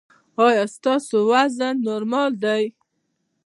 ایا ستاسو وزن نورمال دی؟